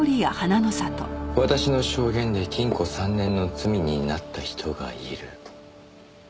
「私の証言で禁錮三年の罪になった人がいる」